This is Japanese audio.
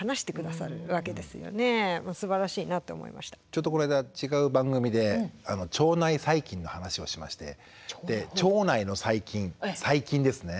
ちょっとこの間違う番組で腸内細菌の話をしまして腸内の細菌細菌ですね。